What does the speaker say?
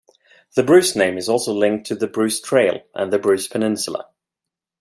The Bruce name is also linked to the Bruce Trail and the Bruce Peninsula.